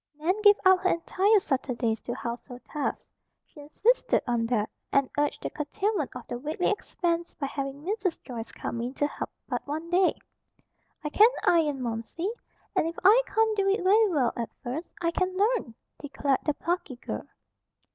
Nan gave up her entire Saturdays to household tasks. She insisted on that, and urged the curtailment of the weekly expense by having Mrs. Joyce come in to help but one day. "I can iron, Momsey, and if I can't do it very well at first, I can learn," declared the plucky girl.